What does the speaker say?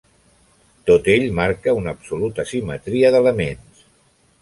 Tot ell marca una absoluta simetria d'elements.